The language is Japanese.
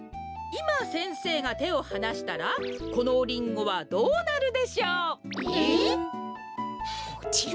いま先生がてをはなしたらこのリンゴはどうなるでしょう？えっ？